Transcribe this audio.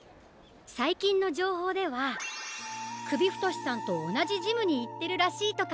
さいきんのじょうほうではくびふとしさんとおなじジムにいってるらしいとか。